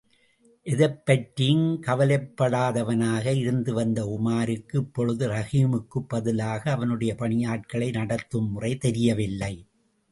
எதைப்பற்றியும் கவலைப்படாதவனாக இருந்துவந்த உமாருக்கு இப்பொழுது ரஹீமுக்குப் பதிலாக அவனுடைய பணியாட்களை நடத்தும்முறை தெரியவில்லை.